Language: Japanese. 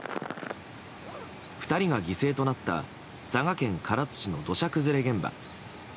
２人が犠牲となった佐賀県唐津市の土砂崩れ現場。